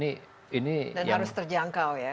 dan harus terjangkau ya